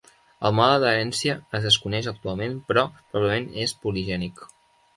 El mode d"herència es desconeix actualment però probablement és poligènic.